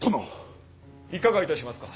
いかがいたしますか？